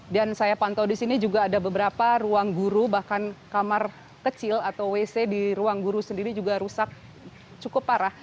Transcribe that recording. dan saya pantau di sini juga ada beberapa ruang guru bahkan kamar kecil atau wc di ruang guru sendiri juga rusak cukup parah